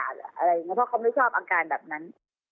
อะไรอย่างนี้เพราะเขาไม่ชอบอาการแบบนั้น